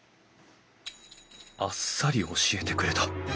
あっさり教えてくれた。